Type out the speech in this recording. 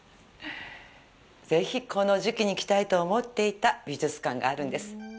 ぜひこの時期に来たいと思っていた美術館があるんです。